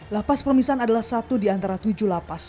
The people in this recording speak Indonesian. lapas permisan adalah satu di antara tujuh lapas